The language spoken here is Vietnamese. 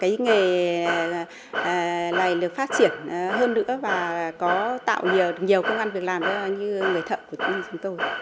cái nghề này được phát triển hơn nữa và có tạo nhiều công an việc làm cho như người thợ của chúng tôi